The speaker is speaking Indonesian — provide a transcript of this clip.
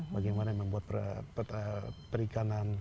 bagaimana membuat perikanan